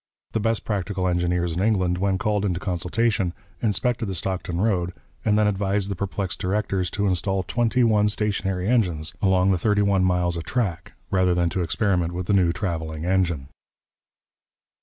The best practical engineers in England, when called into consultation, inspected the Stockton road, and then advised the perplexed directors to instal twenty one stationary engines along the thirty one miles of track, rather than to experiment with the new Travelling Engine.